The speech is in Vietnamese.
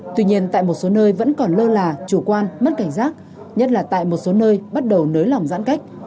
tuy nhiên tại một số nơi vẫn còn lơ là chủ quan mất cảnh giác nhất là tại một số nơi bắt đầu nới lỏng giãn cách